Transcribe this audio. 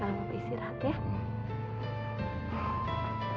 aku cari bisiti ya